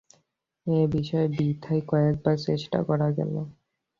এ বিষয়ে বৃথাই কয়েকবার চেষ্টা করা গেল।